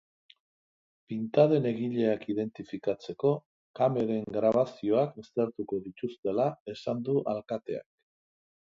Pintaden egileak identifikatzeko kameren grabazioak aztertuko dituztela esan du alkateak.